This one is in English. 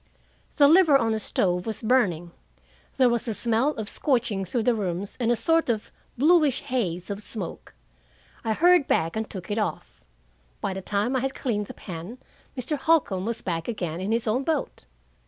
The liver on the stove was burning. There was a smell of scorching through the rooms and a sort of bluish haze of smoke. I hurried back and took it off. By the time I had cleaned the pan, Mr. Holcombe was back again, in his own boat.